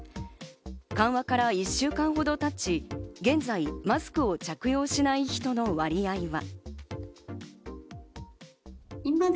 緩和から１週間ほど経ち現在マスクを着用しない人の割合は。